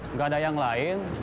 nggak ada yang lain